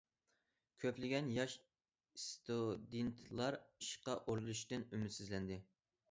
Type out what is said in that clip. كۆپلىگەن ياش ئىستۇدېنتلار ئىشقا ئورۇنلىشىشتىن ئۈمىدسىزلەندى.